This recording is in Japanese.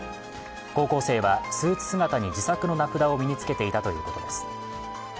高校生はスーツ姿に自作の名札を身につけていたということです。